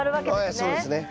ええそうですね。